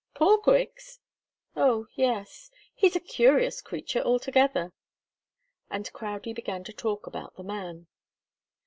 "Paul Griggs? Oh, yes he's a curious creature altogether." And Crowdie began to talk about the man.